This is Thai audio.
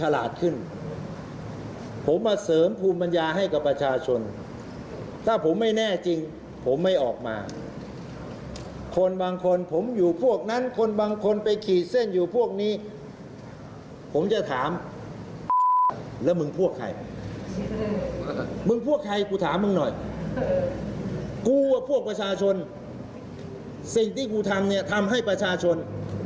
แล้วพวกประชาชนสิ่งที่กูทำเนี่ยทำให้ประชาชน